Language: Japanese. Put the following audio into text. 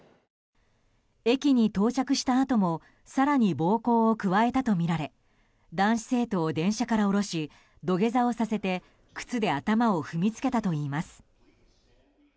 駅に到着したあとも更に暴行を加えたとみられ男子生徒を電車から降ろし土下座をさせて靴で頭を踏みつけたといいます。